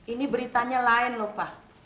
ini beritanya lain lho pak